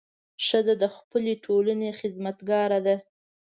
ښځه د خپلې ټولنې خدمتګاره ده.